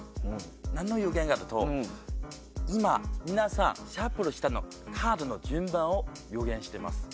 何の予言かというと今皆さんシャッフルしたカードの順番を予言してます。